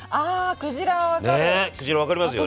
クジラは分かりますよね。